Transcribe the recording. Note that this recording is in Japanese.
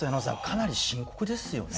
かなり深刻ですよね。